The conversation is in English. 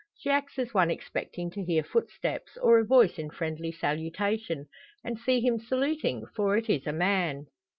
She acts as one expecting to hear footsteps, or a voice in friendly salutation and see him saluting, for it is a man.